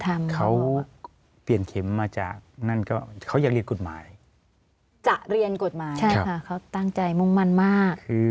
เรียนกฎหมายจะเรียนกฎหมายใช่ค่ะเขาตั้งใจมุมมั่นมากคือ